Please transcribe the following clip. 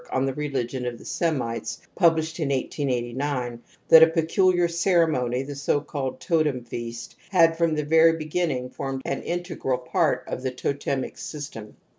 The Religion of the Semites *% published in 1889, that a peculiar ceremony, the so called totem feasts had, from the very beginning, formed an integral part of the totemic system.